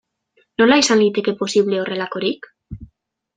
Nola izan liteke posible horrelakorik?